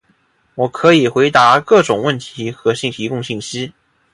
我可以回答各种问题和提供信息。